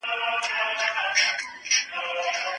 يو بل ته خپل ذوق او مزاجونه ښوول.